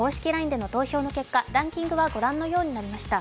ＬＩＮＥでの投票の結果ランキングはご覧のようになりました。